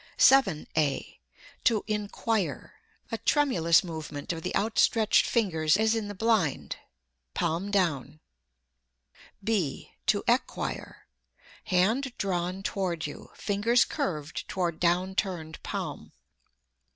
7. (a) To inquire: a tremulous movement of the outstretched fingers as in the blind; palm down; (b) to acquire; hand drawn toward you, fingers curved toward down turned palm.